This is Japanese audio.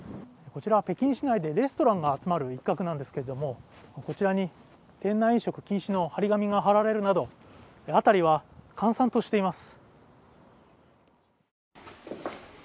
こちら、北京市内でレストランが集まる一角なんですけれども、こちらに店内飲食禁止の張り紙が貼られるなど辺りは閑散としています。